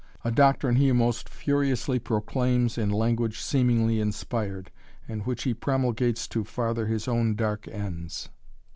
A doctrine he most furiously proclaims in language seemingly inspired, and which he promulgates to farther his own dark ends."